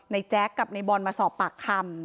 แจ๊กกับในบอลมาสอบปากคำ